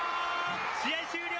試合終了！